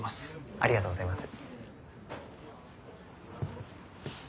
ありがとうございます。